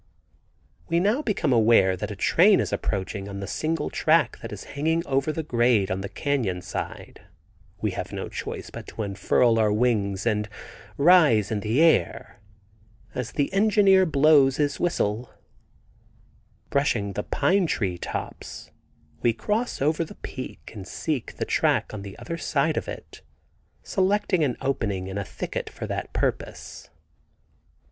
We now become aware that a train is approaching on the single track that is hanging over the grade on the canyon side. We have no choice but to unfurl our wings and rise in the air, as the engineer wildly blows his whistle. Brushing the pine tree tops, we cross over the peak and seek the track on the other side of it, selecting an opening in a thicket for that purpose.